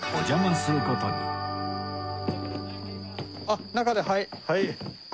あっ中ではい。